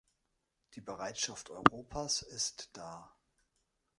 Die Bereitschaft Europas ist da.